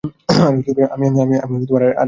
আমি আর এক ফোঁটা পান করব না।